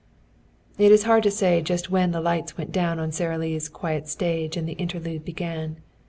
It is hard to say just when the lights went down on Sara Lee's quiet stage and the interlude began.